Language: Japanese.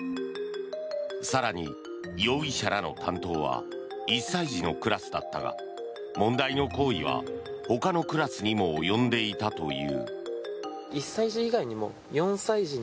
更に、容疑者らの担当は１歳児のクラスだったが問題の行為は、ほかのクラスにも及んでいたという。